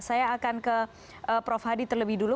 saya akan ke prof hadi terlebih dulu